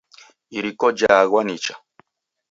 Iriko jaaghwa nicha.